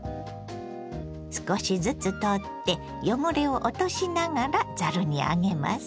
少しずつ取って汚れを落としながらざるに上げます。